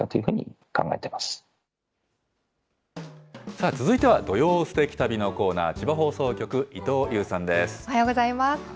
さあ、続いては土曜すてき旅のコーナー、千葉放送局、おはようございます。